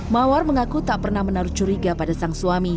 mawar mengaku tak pernah menaruh curiga pada sang suami